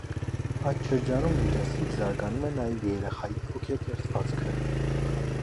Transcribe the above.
Այդ շրջանում ինտենսիվ զարգանում է նաև երեխայի հոգեկերտվածքը։